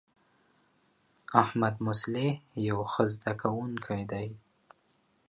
احمدمصلح یو ښه زده کوونکی دی.